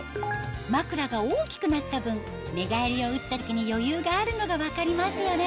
枕が大きくなった分寝返りをうった時に余裕があるのが分かりますよね